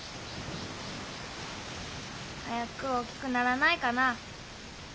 早く大きくならないかな。